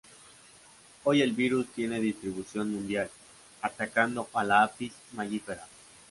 Hoy el virus tiene distribución mundial, atacando a la "Apis mellifera".